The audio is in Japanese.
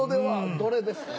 どれですかな？